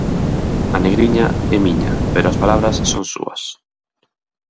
A negriña é miña pero as palabras son súas.